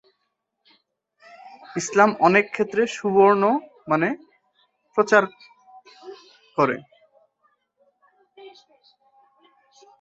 ইসলাম অনেক ক্ষেত্রে সুবর্ণ মানে প্রচার করে।